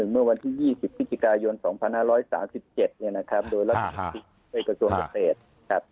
เมื่อวันที่๒๐พิธิกายน๒๕๓๗โดยรัฐศิษย์เวกส์ส่วนประเทศ